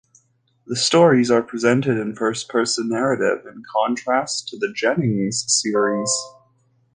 The stories are presented in first person narrative, in contrast to the Jennings series.